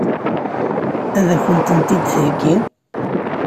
Ad kent-tent-id-theggi?